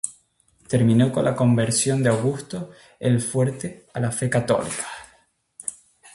Terminó con la conversión de Augusto el Fuerte a la fe católica.